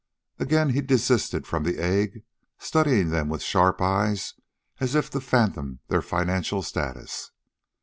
Again he desisted from the egg, studying them with sharp eyes as if to fathom their financial status.